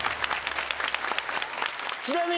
ちなみに。